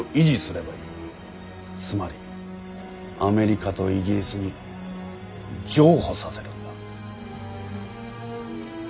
つまりアメリカとイギリスに譲歩させるんだ。